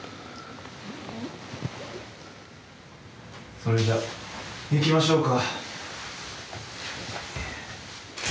それじゃ行きましょうか。